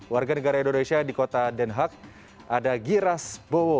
warga negara indonesia di kota denhak ada giras bowo